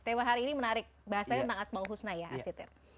tewa hari ini menarik bahasanya tentang asma'ul husna ya as sitir